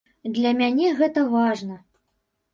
Для мяне гэта важна.